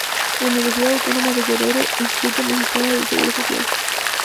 Universidad Autónoma de Guerrero-Instituto Mexicano del Seguro Social.